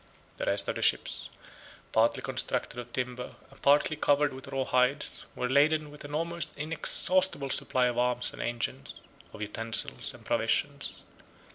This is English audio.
The rest of the ships, partly constructed of timber, and partly covered with raw hides, were laden with an almost inexhaustible supply of arms and engines, of utensils and provisions.